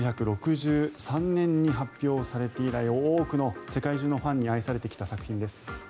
１９６３年に発表されて以来多くの世界中のファンに愛されてきた作品です。